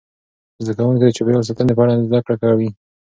زده کوونکي د چاپیریال ساتنې په اړه زده کړه کوي.